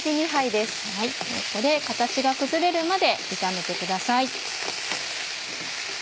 ここで形が崩れるまで炒めてください。